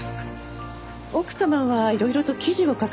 奥様はいろいろと記事を書かれていますね。